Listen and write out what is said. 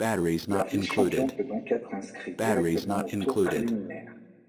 Leur vice-champion peut donc être inscrit directement au tour préliminaire.